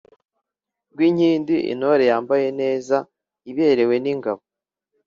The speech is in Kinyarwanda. Rwinkindi: intore yambaye neza, iberewe n’ingabo.